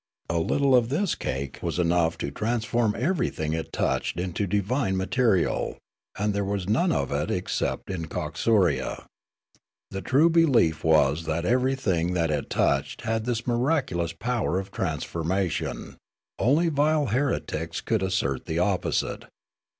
A little of this cake was enough to transform everything it touched into divine material, and there was none of it except in Coxuria. The true belief was that everything that it touched had this miraculous power of transformation ; only vile heretics could assert the opposite.